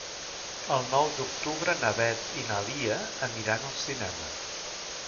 El nou d'octubre na Beth i na Lia aniran al cinema.